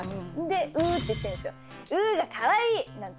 うって言ってるんですよ。